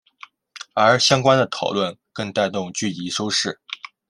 而相关的讨论更带动剧集收视。